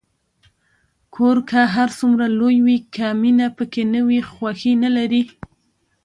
کور که هر څومره لوی وي، که مینه پکې نه وي، خوښي نلري.